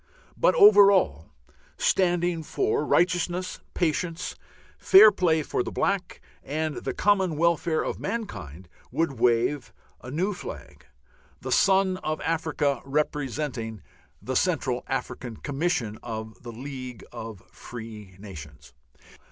But over all, standing for righteousness, patience, fair play for the black, and the common welfare of mankind would wave a new flag, the Sun of Africa representing the Central African Commission of the League of Free Nations.